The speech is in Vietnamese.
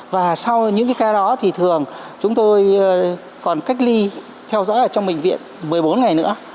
và sau những cái ca đó thì thường chúng tôi còn cách ly theo dõi ở trong bệnh viện một mươi bốn ngày nữa